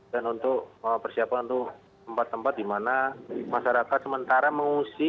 dan untuk persiapan untuk tempat tempat dimana masyarakat sementara mengungsi